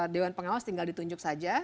dewan pengawas tinggal ditunjuk saja